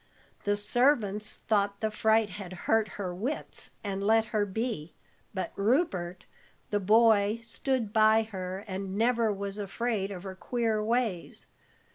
The servants thought the fright had hurt her wits, and let her be, but Rupert, the boy, stood by her and never was afraid of her queer ways.